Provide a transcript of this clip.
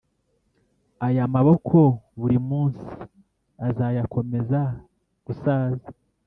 aya maboko buri munsi azakomeza gusaza.